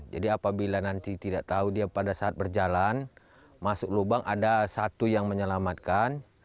apabila nanti tidak tahu dia pada saat berjalan masuk lubang ada satu yang menyelamatkan